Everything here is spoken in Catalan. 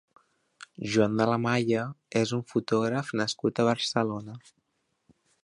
Joan de la Malla és un fotògraf nascut a Barcelona.